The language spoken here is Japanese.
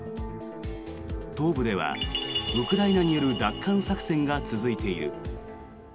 東部ではウクライナによる奪還作戦が続いている。